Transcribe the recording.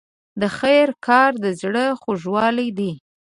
د خیر کار د زړه خوږوالی دی.